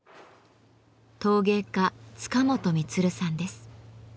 陶芸家塚本満さんです。